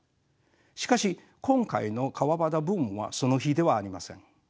しかし今回の川端ブームはその比ではありません。